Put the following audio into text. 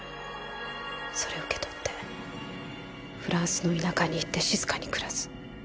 それを受け取ってフランスの田舎に行って静かに暮らす。